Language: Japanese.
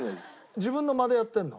自分の間でやってるの？